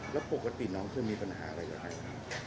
แล้วปกติน้องคือมีปัญหากับใครคะ